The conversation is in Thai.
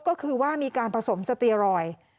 ก็คือว่ามีการผสมสเตียรอยด์